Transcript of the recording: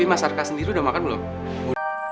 tapi mas harka sendiri udah makan belum